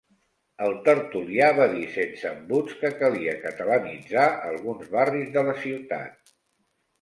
El tertulià va dir sense embuts que calia catalanitzar alguns barris de la ciutat.